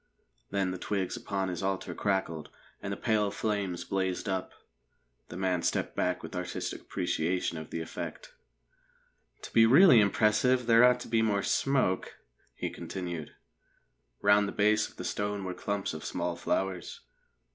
Then the twigs upon his altar crackled, and the pale flames blazed up. The man stepped back with artistic appreciation of the effect. "To be really impressive, there ought to be more smoke," he continued. Round the base of the stone were clumps of small flowers.